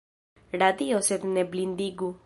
Radiu sed ne blindigu.